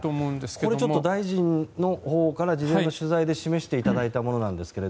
これ、大臣のほうから事前の取材で示していただいたものなんですが。